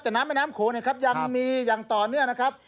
แต่น้ำแม่น้ำโขงนะครับยังมีอย่างต่อเนื่องนะครับ